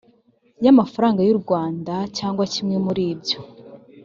y amafaranga y u rwanda cyangwa kimwe muri ibyo